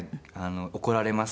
怒られます。